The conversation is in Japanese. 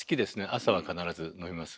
朝は必ず飲みます。